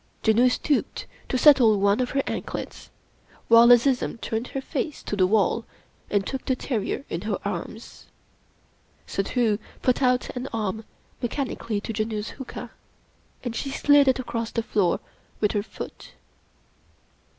Janoo stooped to settle one of her anklets, while Azizun turned her face to the wall and took the terrier in her arms. Suddhoo put out an arm mechanically to Janoo's huqa, and she sUd it across the floor with her foot.